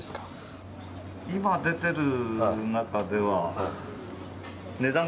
今出てる中では。